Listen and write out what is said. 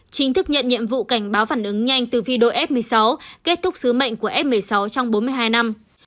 chính thức nhận nhiệm vụ cảnh báo phản ứng nhanh từ video f một mươi sáu kết thúc sứ mệnh của f một mươi sáu trong bốn mươi hai năm